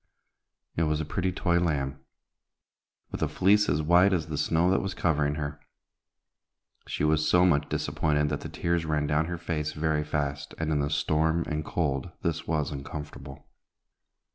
It was a pretty toy lamb, with a fleece as white as the snow that was covering her. She was so much disappointed that the tears ran down her face very fast, and in the storm and cold this was uncomfortable.